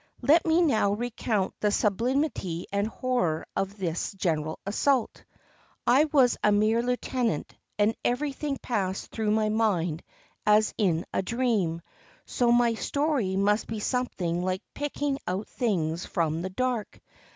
Let me now recount the sublimity and horror of this general assault. I was a mere lieutenant and every thing passed through my mind as in a dream, so my story must be something like picking out things from the dark.